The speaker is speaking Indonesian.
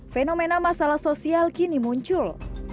fenomena masalah sosial kini muncul